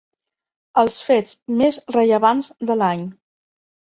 El fets més rellevants de l'any.